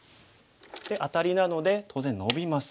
でアタリなので当然ノビます。